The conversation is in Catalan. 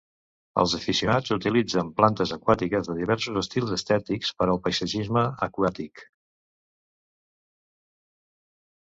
Els aficionats utilitzen plantes aquàtiques de diversos estils estètics per al paisatgisme aquàtic.